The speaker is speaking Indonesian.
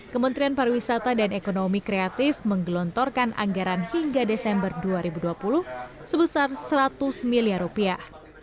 kementerian pariwisata dan ekonomi kreatif menggelontorkan anggaran hingga desember dua ribu dua puluh sebesar seratus miliar rupiah